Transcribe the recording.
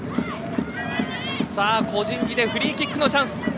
個人技でフリーキックのチャンス。